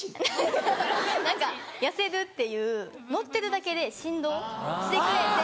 痩せるっていう乗ってるだけで振動してくれて。